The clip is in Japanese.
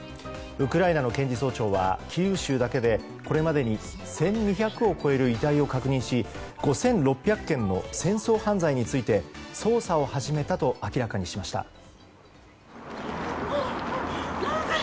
ウクライナの検事総長はキーウ州だけでこれまでに１２００を超える遺体を確認し５６００件の戦争犯罪について捜査を始めたと明らかにしました。